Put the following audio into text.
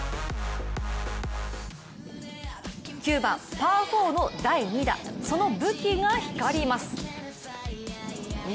９番、パー４の第２打、その武器が光ります。